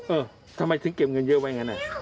เออทำไมถึงเก็บเงินเยอะแบบนี้